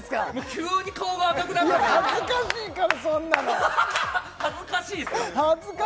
急に顔が赤くなったな恥ずかしいからそんなの恥ずかしいっすか？